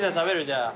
じゃあ。